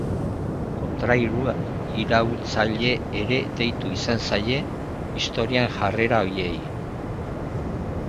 Kontrairaultzaile ere deitu izan zaie historian jarrera horiei.